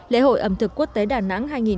lễ hội ẩm thực quốc tế đà nẵng